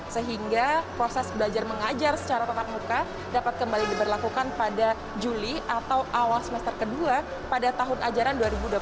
sehingga proses belajar mengajar secara tatap muka dapat kembali diberlakukan pada juli atau awal semester kedua pada tahun ajaran dua ribu dua puluh satu